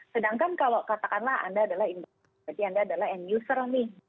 sedangkan kalau katakanlah anda adalah berarti anda adalah end user nih